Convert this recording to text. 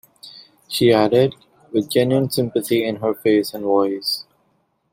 She added, with genuine sympathy in her face and voice.